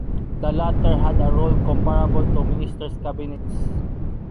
The latter had a role comparable to ministers’ cabinets.